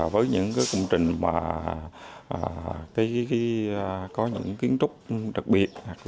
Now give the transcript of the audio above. với những công trình mà có những kiến trúc đặc biệt